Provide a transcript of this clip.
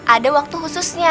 ada waktu khususnya